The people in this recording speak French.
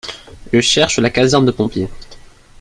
Je cherche la caserne de pompiers.